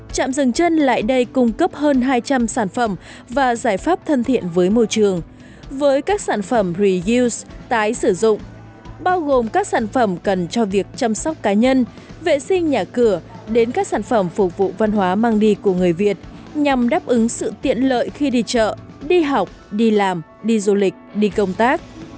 chạm dừng chân lại đây cung cấp hơn hai trăm linh sản phẩm và giải pháp thân thiện với môi trường với các sản phẩm reuse tái sử dụng bao gồm các sản phẩm cần cho việc chăm sóc cá nhân vệ sinh nhà cửa đến các sản phẩm phục vụ văn hóa mang đi của người việt nhằm đáp ứng sự tiện lợi khi đi chợ đi học đi làm đi du lịch đi công tác